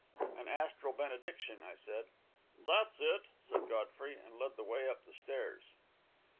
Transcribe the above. "An astral benediction," I said. "That's it!" said Godfrey, and led the way up the steps.